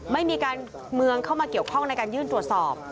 ไม่มีการเมืองเข้ามาเกี่ยวข้องในการยื่นตรวจสอบ